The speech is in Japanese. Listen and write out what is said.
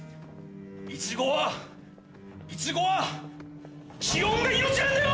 イチゴはイチゴは気温が命なんだよ！